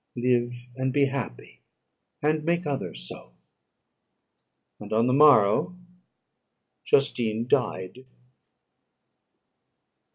Live, and be happy, and make others so." And on the morrow Justine died.